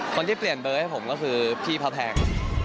คนที่เปลี่ยนเบอร์ให้ผมก็คือพี่พระแพง